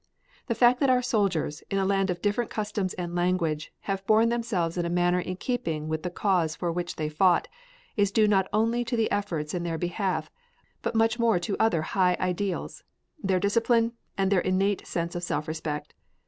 The fact that our soldiers, in a land of different customs and language, have borne themselves in a manner in keeping with the cause for which they fought, is due not only to the efforts in their behalf but much more to other high ideals, their discipline, and their innate sense of self respect.